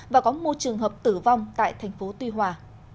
và có một trường hợp tử vong tại thành phố tuy hòa